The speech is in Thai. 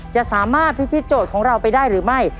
จะสามารถพิธีโจทย์ของเราไปได้หรือไม่